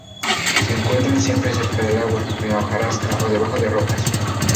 Se encuentran siempre cerca del agua, en la hojarasca o debajo de rocas.